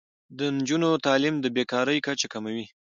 د نجونو تعلیم د بې کارۍ کچه کموي.